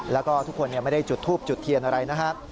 แล้วก็ทุกคนไม่ได้จุดทูบจุดเทียนอะไรนะครับ